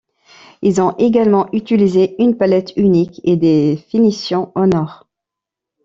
Ils ont également utilisé une palette unique et des finitions en or.